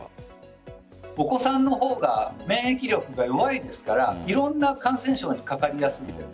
お子さんの方が免疫力が弱いですからいろんな感染症にかかりやすいです。